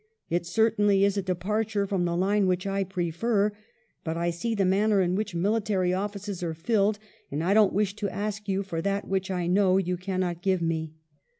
It certainly is a departure from the line which I prefer, but I see the manner in which military offices are filled, and I don't wish to ask you for that which I know you cannot give me."